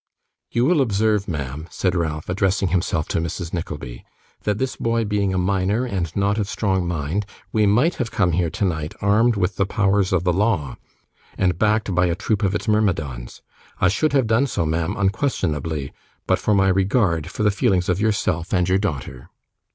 'You will observe, ma'am,' said Ralph, addressing himself to Mrs Nickleby, 'that this boy being a minor and not of strong mind, we might have come here tonight, armed with the powers of the law, and backed by a troop of its myrmidons. I should have done so, ma'am, unquestionably, but for my regard for the feelings of yourself, and your daughter.